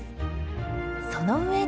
その上で。